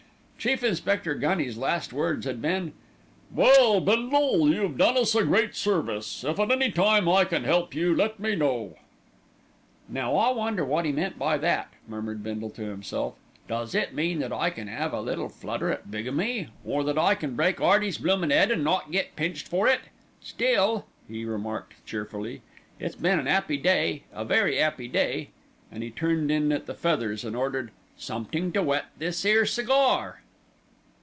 Chief Inspector Gunny's last words had been, "Well, Bindle, you've done us a great service. If at any time I can help you, let me know." "Now I wonder wot 'e meant by that," murmured Bindle to himself. "Does it mean that I can 'ave a little flutter at bigamy, or that I can break 'Earty's bloomin' 'ead and not get pinched for it. Still," he remarked cheerfully, "it's been an 'appy day, a very 'appy day," and he turned in at The Feathers and ordered "somethink to wet this 'ere cigar."